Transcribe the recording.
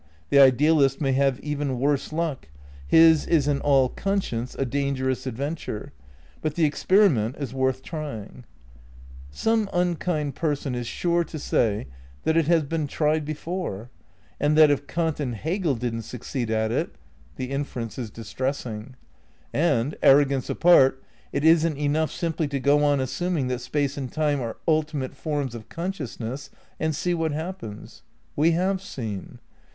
The idealist may have even worse luck — ^his is in all conscience a dangerous adventure — but the experiment is worth trying. VI BECONSTEUCTION OF IDEALISM 223 Some unkind person is sure to say that it has been tried before, and that if Kant and Hegel didn't succeed at it — The inference is distressing. And, arrogance apart, it isn't enough simply to go on assuming that Space and Time are ultimate forms of consciousness and see what happens. We have seen.